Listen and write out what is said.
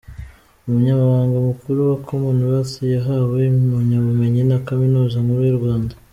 Umunyamabanga Mukuru wa Commonwealth yahawe impamyabumenyi na Kaminuza Nkuru y’u Rwanda.